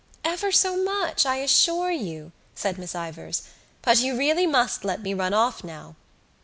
"Ever so much, I assure you," said Miss Ivors, "but you really must let me run off now."